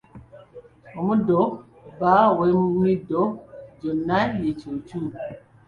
Omuddo bba w'emiddo gyonna ye Ccuucu.